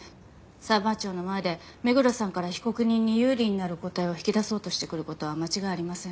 裁判長の前で目黒さんから被告人に有利になる答えを引き出そうとしてくる事は間違いありません。